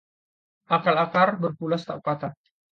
Akal akar berpulas tak patah